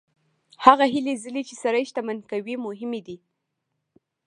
هغه هلې ځلې چې سړی شتمن کوي مهمې دي.